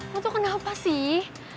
lo tuh kenapa sih